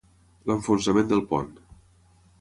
L'enfonsament del pont.